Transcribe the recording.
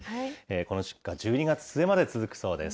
この出荷、１２月末まで続くそうです。